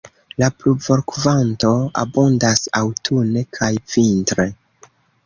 La pluvokvanto abundas aŭtune kaj vintre.